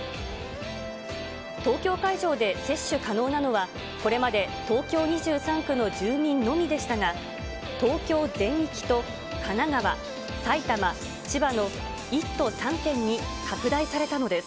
東京会場で接種可能なのは、これまで東京２３区の住民のみでしたが、東京全域と神奈川、埼玉、千葉の１都３県に拡大されたのです。